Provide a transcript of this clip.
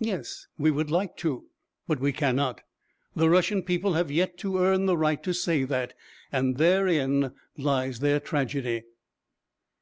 Yes, we would like to, but we cannot; the Russian people have yet to earn the right to say that, and therein lies their tragedy...."